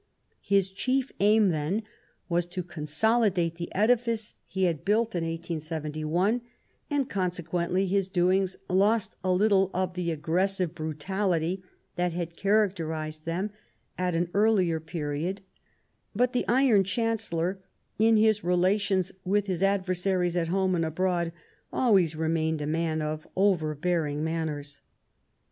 His chief aim then was to con solidate the edifice he had built in 1871, and conse quently his doings lost a little of the aggressive brutality that had characterized them at an earlier period ; but the Iron Chancellor, in his relations with his adversaries at home and abroad, always remained a man of overbearing manners.